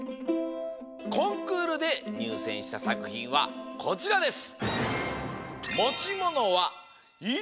コンクールでにゅうせんしたさくひんはこちらです。